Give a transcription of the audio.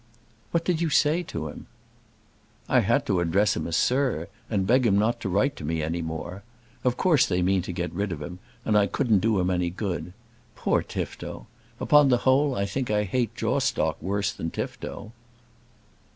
"What did you say to him?" "I had to address him as Sir, and beg him not to write to me any more. Of course they mean to get rid of him, and I couldn't do him any good. Poor Tifto! Upon the whole I think I hate Jawstock worse than Tifto."